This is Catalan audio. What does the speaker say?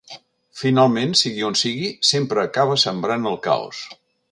Finalment, sigui on sigui, sempre acaba sembrant el caos.